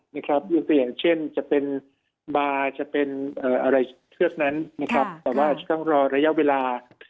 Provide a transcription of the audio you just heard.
อย่างเช่นจะเป็นบาร์จะเป็นอะไรเครื่องนั้นแต่ว่าอาจจะต้องรอระยะเวลา